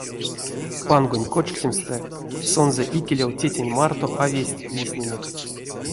Пангонь кочксемстэ сонзэ икелев тетянь марто а весть лиснинек.